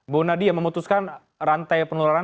bu nadia memutuskan rantai penularan